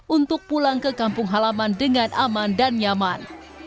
untuk pulang ke kampung halaman dengan aman dan nyaman